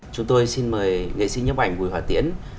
chúng tôi xin mời nghệ sinh nhấp ảnh bùi hòa tiến